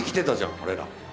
俺ら。